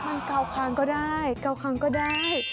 มันเกาคางก็ได้เกาคังก็ได้